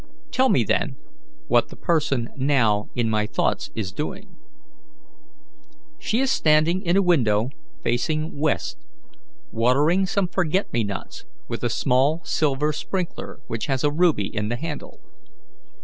"Tell me, then, what the person now in my thoughts is doing." "She is standing in a window facing west, watering some forget me nots with a small silver sprinkler which has a ruby in the handle."